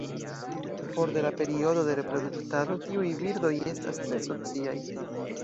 For de la periodo de reproduktado, tiuj birdoj estas tre sociaj.